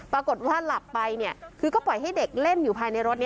ปรากฏว่าหลับไปคือก็ปล่อยให้เด็กเล่นอยู่ภายในรถ